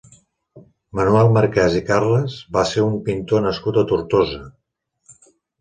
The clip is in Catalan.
Manuel Marquès i Carles va ser un pintor nascut a Tortosa.